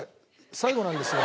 最後なんですが。